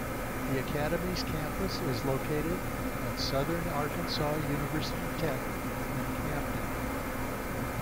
The Academy's campus is located at Southern Arkansas University Tech in Camden.